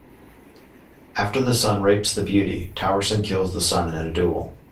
After the son rapes the beauty, Towerson kills the son in a duel.